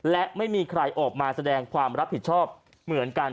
และไม่มีใครออกมาแสดงความรับผิดชอบเหมือนกัน